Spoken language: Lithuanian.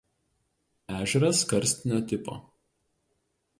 Ežeras karstinio tipo.